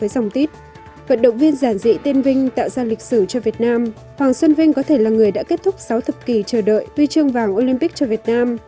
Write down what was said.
hoàng xuân vinh có thể là người đã kết thúc sáu thập kỷ chờ đợi ghi chương vàng olympic cho việt nam